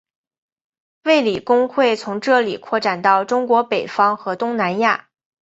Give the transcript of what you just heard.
卫理公会从这里扩展到中国北方和东南亚。